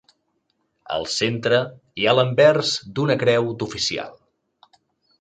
Al centre hi ha l'anvers d'una creu d'oficial.